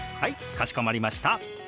かしこまりました。